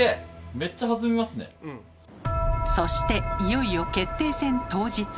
そしていよいよ決定戦当日。